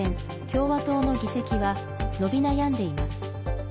共和党の議席は伸び悩んでいます。